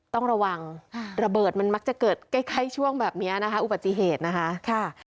ต้องระวังระเบิดมันมักจะเกิดใกล้ช่วงแบบนี้นะคะอุบัติเหตุนะคะ